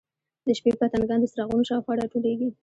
د شپې پتنګان د څراغونو شاوخوا راټولیږي.